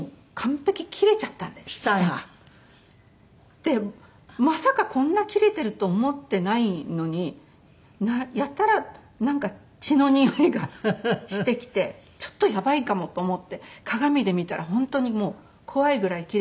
でまさかこんな切れてると思ってないのにやたら血のにおいがしてきてちょっとやばいかもと思って鏡で見たら本当にもう怖いぐらい切れてて。